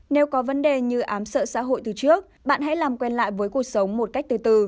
nếu có vấn đề như ám sợ xã hội từ trước bạn hãy làm quen lại với cuộc sống một cách từ từ